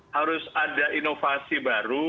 harus ada inovasi baru